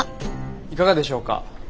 いかがでしょうか？